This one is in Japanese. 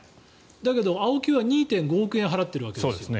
だけど、ＡＯＫＩは２．５億円払っているわけです。